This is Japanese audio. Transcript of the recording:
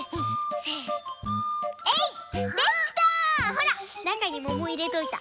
ほらなかにももいれといた。